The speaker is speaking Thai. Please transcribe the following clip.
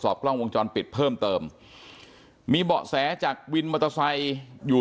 กล้องวงจรปิดเพิ่มเติมมีเบาะแสจากวินมอเตอร์ไซค์อยู่